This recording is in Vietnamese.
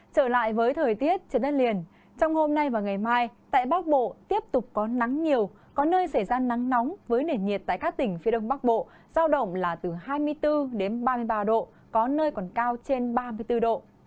trở lại với thời tiết trên đất liền trong hôm nay và ngày mai tại bắc bộ tiếp tục có nắng nhiều có nơi xảy ra nắng nóng với nền nhiệt tại các tỉnh phía đông bắc bộ giao động là từ hai mươi bốn đến ba mươi ba độ có nơi còn cao trên ba mươi bốn độ